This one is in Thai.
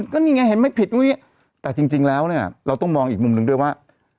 ก็นี่ไงเห็นไม่ผิดนู่นนี่แต่จริงแล้วเนี่ยเราต้องมองอีกมุมหนึ่งด้วยว่า